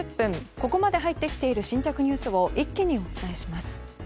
ここまで入ってきている新着ニュースを一気にお伝えします。